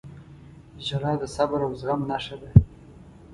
• ژړا د صبر او زغم نښه ده.